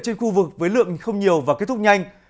trên khu vực với lượng không nhiều và kết thúc nhanh